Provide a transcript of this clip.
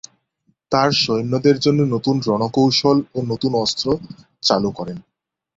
তার সৈন্যদের জন্য নতুন রণকৌশল ও নতুন অস্ত্র চালু করেন।